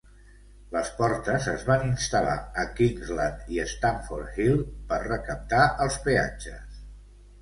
Les portes es van instal·lar a Kingsland i Stamford Hill per recaptar els peatges.